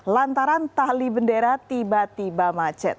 lantaran tali bendera tiba tiba macet